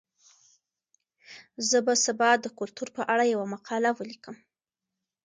زه به سبا د کلتور په اړه یوه مقاله ولیکم.